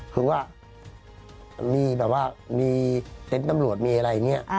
คือว่ามีเต็มตำรวจมีอะไรอย่างนี้